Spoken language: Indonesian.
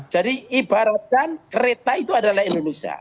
ibaratkan kereta itu adalah indonesia